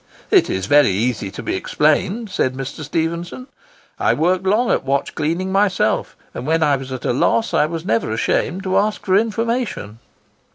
"It is very easy to be explained," said Mr. Stephenson; "I worked long at watch cleaning myself, and when I was at a loss, I was never ashamed to ask for information."